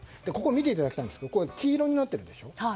見ていただきたいんですが黄色になっているでしょ。